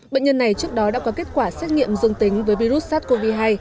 bệnh nhân này trước đó đã có kết quả xét nghiệm dương tính với virus sars cov hai